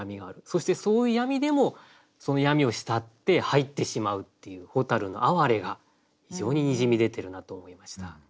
そしてそういう闇でもその闇を慕って入ってしまうっていう蛍のあわれが非常ににじみ出てるなと思いました。